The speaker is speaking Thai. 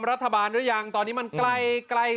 รัฐบาลรึยังตอนนี้มันใกล้ใกล้